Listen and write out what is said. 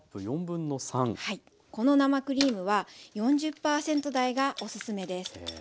この生クリームは４０％台がおすすめです。